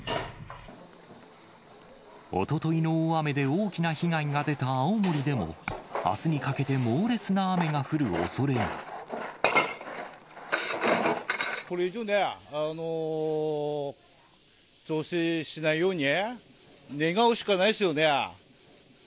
おとといの大雨で大きな被害が出た青森でも、あすにかけて猛烈なこれ以上なぁ、増水しないように願うしかないですよね。